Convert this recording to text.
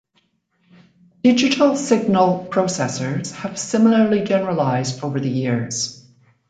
Digital signal processors have similarly generalised over the years.